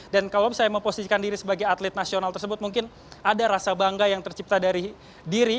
dan kalau saya memposisikan diri sebagai atlet nasional tersebut mungkin ada rasa bangga yang tercipta dari diri